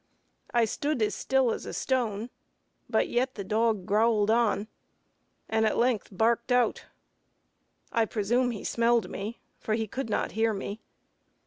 I stood as still as a stone, but yet the dog growled on, and at length barked out. I presume he smelled me, for he could not hear me.